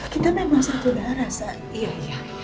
kita memang satu darah